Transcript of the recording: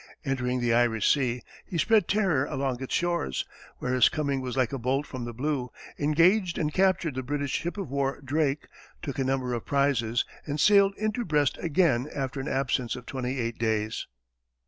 Entering the Irish Sea, he spread terror along its shores, where his coming was like a bolt from the blue, engaged and captured the British ship of war Drake, took a number of prizes, and sailed into Brest again after an absence of twenty eight days.